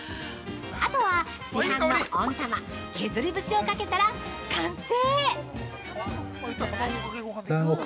あとは、市販の温玉削り節をかけたら完成！